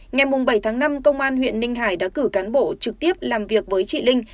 ngày bảy tháng năm công an huyện ninh hải đã cử cán bộ trực tiếp làm việc với chị linh